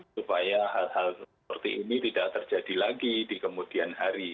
supaya hal hal seperti ini tidak terjadi lagi di kemudian hari